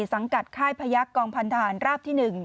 สังกัดค่ายพยักษ์กองพันธหารราบที่๑